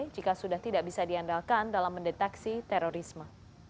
jika sudah tidak bisa diandalkan dalam mendeteksi terorisme